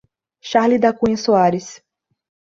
Charle da Cunha Soares